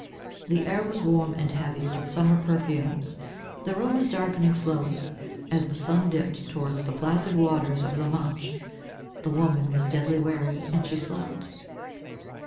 The air was warm and heavy with summer perfumes; the room was darkening slowly as the sun dipped towards the placid waters of La Manche; the woman was deadly weary, and she slept.